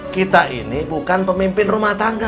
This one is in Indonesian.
kita ini bukan pemimpin rumah tangga